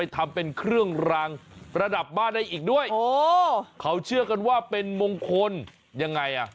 ทำเป็นเครื่องรางประดับบ้านได้อีกด้วยโอ้เขาเชื่อกันว่าเป็นมงคลยังไงอ่ะ